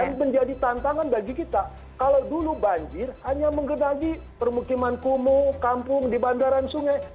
dan menjadi tantangan bagi kita kalau dulu banjir hanya mengenai permukiman kumuh kampung di bandaran sungai